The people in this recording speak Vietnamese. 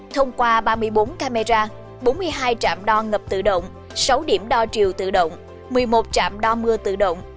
thông qua ba mươi bốn camera bốn mươi hai trạm đo ngập tự động sáu điểm đo chiều tự động một mươi một trạm đo mưa tự động